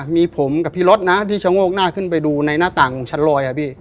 มีผมกับพี่รถนะที่ชะโงกหน้าขึ้นไปดูในหน้าต่างของชั้นลอยอ่ะพี่